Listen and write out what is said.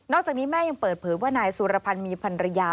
จากนี้แม่ยังเปิดเผยว่านายสุรพันธ์มีพันรยา